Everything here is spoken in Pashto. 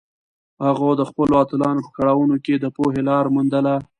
هغه د خپلو اتلانو په کړاوونو کې د پوهې لاره موندله.